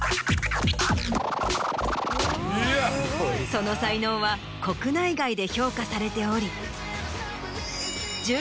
その才能は国内外で評価されており。